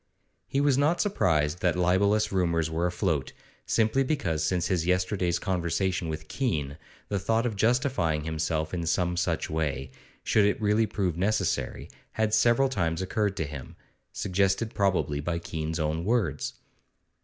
He was not surprised that libellous rumours were afloat, simply because since his yesterday's conversation with Keene the thought of justifying himself in some such way should it really prove necessary had several times occurred to him, suggested probably by Keene's own words.